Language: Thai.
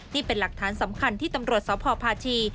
นี่เป็นหลักฐานสำคัญที่ตำรวจสพพาชี